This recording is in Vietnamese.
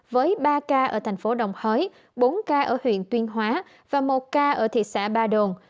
với ba ca ở thành phố đồng hới bốn ca ở huyện tuyên hóa và một ca ở thị xã ba đồn